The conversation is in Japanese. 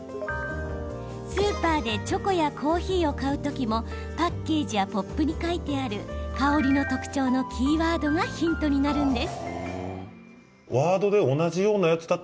スーパーでチョコやコーヒーを買う時もパッケージやポップに書いてある香りの特徴のキーワードがヒントになるんです。